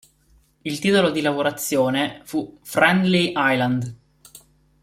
Il titolo di lavorazione fu "Friendly Island".